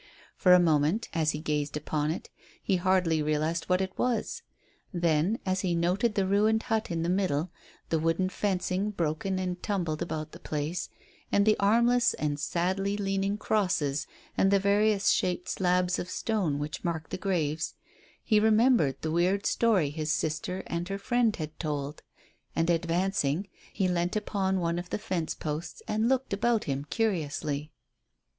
For a moment, as he gazed upon it, he hardly realized what it was. Then, as he noted the ruined hut in the middle, the wooden fencing broken and tumbled about the place, and the armless and sadly leaning crosses and the various shaped slabs of stone which marked the graves, he remembered the weird story his sister and her friend had told, and, advancing, he leant upon one of the fence posts and looked about him curiously.